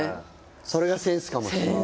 それがセンスかもしれない。